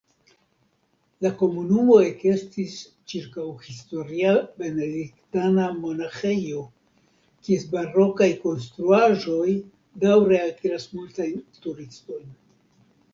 La komunumo ekestis ĉirkaŭ historia benediktana monaĥejo, kies barokaj konstruaĵoj daŭre altiras multajn turistojn.